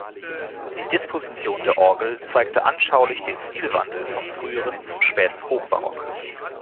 Die Disposition der Orgel zeigte anschaulich den Stilwandel vom frühen zum späten Hochbarock.